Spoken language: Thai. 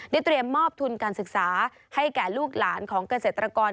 เตรียมมอบทุนการศึกษาให้แก่ลูกหลานของเกษตรกร